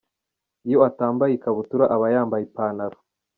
Iyo atambaye ikabutura aba yambaye ipantalo.